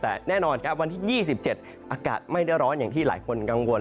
แต่แน่นอนครับวันที่๒๗อากาศไม่ได้ร้อนอย่างที่หลายคนกังวล